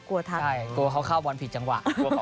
กลัวเขาเข้าบอลผิดจังหวะ